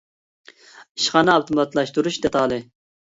ئىشخانا ئاپتوماتلاشتۇرۇش دېتالى